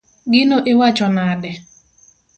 Gino iwacho nade?